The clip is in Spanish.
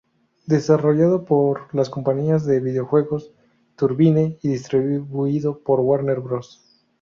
Desarrollado por las compañías de videojuegos Turbine y distribuido por Warner Bros.